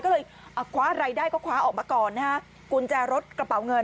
ก็เลยคว้าอะไรได้ก็คว้าออกมาก่อนนะฮะกุญแจรถกระเป๋าเงิน